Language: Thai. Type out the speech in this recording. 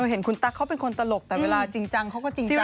เห็นคุณตั๊กเขาเป็นคนตลกแต่เวลาจริงจังเขาก็จริงจัง